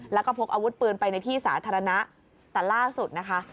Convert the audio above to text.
แล้วก็พกอาวุธปืนไปในที่สาธารณะแต่ล่าสุดนะคะ